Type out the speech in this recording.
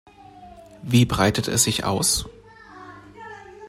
Wie breitet es sich aus?